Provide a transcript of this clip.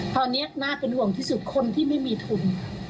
ตอนนี้น่าเป็นห่วงที่สุดคนที่ไม่มีทุน